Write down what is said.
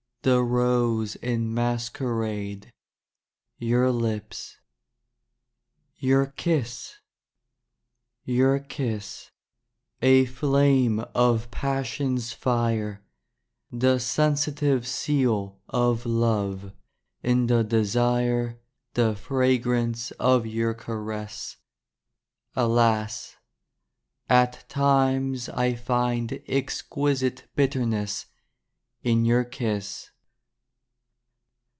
The rose in masquerade. Your Lips. [Hi DAY DREAMS Your Kiss Your Kiss, A flame Of Passion's fire The sensitive Seal Of Love In the desire, The fragrance Of your Caress ; Alas, At times I find Exquisite bitterness In Your Kiss.